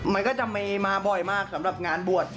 มันก็จะมีมาบ่อยมากสำหรับงานบวช